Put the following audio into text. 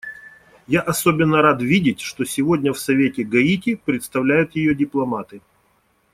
Я особенно рад видеть, что сегодня в Совете Гаити представляют ее дипломаты.